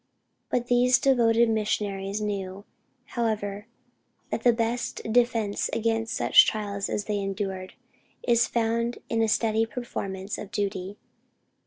Both these devoted missionaries knew, however, that the best defence against such trials as they endured, is found in a steady performance of duty.